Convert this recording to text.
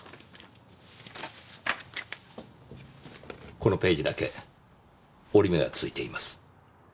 このページだけ折り目がついています。